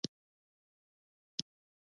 قرآن د مسلمان د اخلاقو ښوونکی دی.